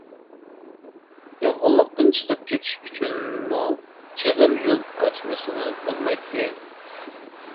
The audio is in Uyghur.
يۇلغۇنلۇقتىن چىقىپ كېتىش ئۈچۈنمۇ چىغىر يول ئاچمىسىڭىز بولمايتتى.